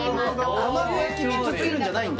卵焼き３つ作るんじゃないんだ